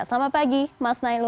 selamat pagi mas nailul